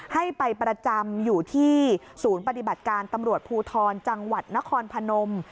ให้ไปประจำอยู่ที่ศูนย์ปฏิบัติการตำรวจภูทรจังหวัดนครพนม